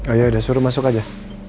oh iya udah suruh masuk aja